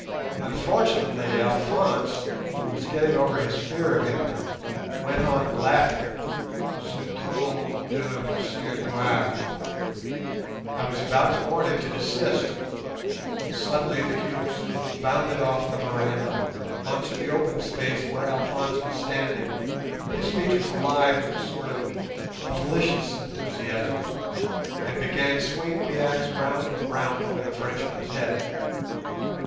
Unfortunately Alphonse, who was getting over his fear of him, went on laughing at "ce drôle d'un monsieur noir". I was about to warn him to desist, when suddenly the huge Zulu bounded off the veranda on to the open space where Alphonse was standing, his features alive with a sort of malicious enthusiasm, and began swinging the axe round and round over the Frenchman's head.